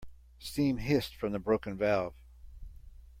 Steam hissed from the broken valve.